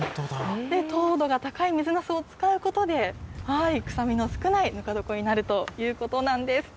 糖度が高い水なすを使うことで、臭みの少ないぬか床になるということなんです。